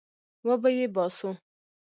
وبې يې باسو.